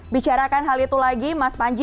bicarakan hal itu lagi mas panji